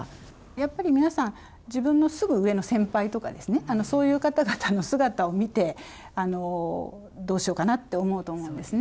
やっぱり皆さん、自分のすぐ上の先輩とか、そういう方々の姿を見て、どうしようかなと思うと思うんですね。